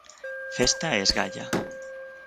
Festa e esgalla.